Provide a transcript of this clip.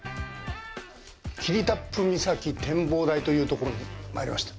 霧多布岬展望台というところに参りました。